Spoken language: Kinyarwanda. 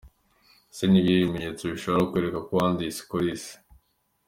Ese ni ibihe bimenyetso bishobora kukwereka ko wanduye Cirrhosis?.